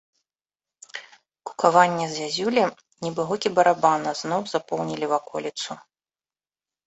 Кукаванне зязюлі, нібы гукі барабана, зноў запоўнілі ваколіцу.